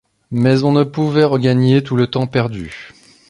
Mais on ne pouvait regagner tout le temps perdu.